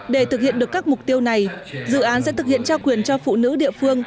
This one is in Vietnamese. để thực hiện được các mục tiêu này dự án sẽ thực hiện trao quyền cho phụ nữ địa phương